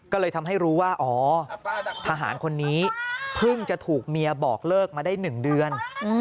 ก็เลยทำให้รู้ว่าอ๋อทหารคนนี้เพิ่งจะถูกเมียบอกเลิกมาได้๑เดือน